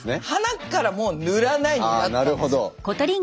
なるほど。